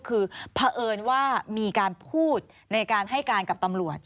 คือเพราะเอิญว่ามีการพูดในการให้การกับตำรวจ